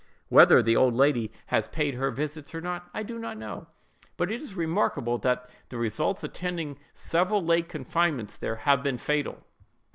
Whether the old lady has paid her visits or not I do not know, but it is remarkable that the results attending several late confinements there have been fatal.